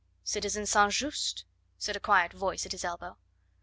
"Citizen St. Just!" said a quiet voice at his elbow.